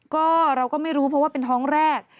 ก็เราก็ไม่รู้เพราะว่าเป็นท้องแรก